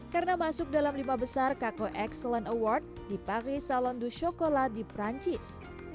karena masuk dalam lima besar kakao excellent award di paris salon du chocolat di perancis